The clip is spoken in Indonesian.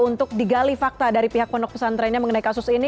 untuk digali fakta dari pihak pondok pesantrennya mengenai kasus ini